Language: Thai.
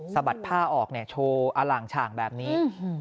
สะบัดผ้าออกเนี่ยโชว์อล่างฉ่างแบบนี้